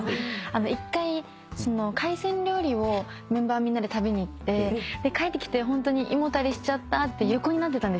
一回海鮮料理をメンバーみんなで食べに行って帰ってきて胃もたれしちゃったって横になってたんですよ。